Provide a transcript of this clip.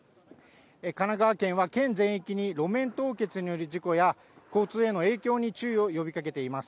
神奈川県は県全域に路面凍結による事故や交通への影響に注意を呼びかけています。